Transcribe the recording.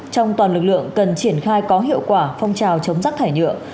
trong toàn lực lượng cần triển khai có hiệu quả phong trào chống rác thải nhựa